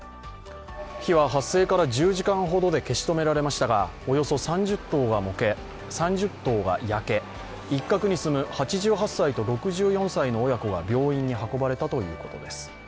火は発生から１０時間ほどで消し止められましたがおよそ３０棟が焼け一角に住む８８歳と６４歳の親子が病院に運ばれたということです。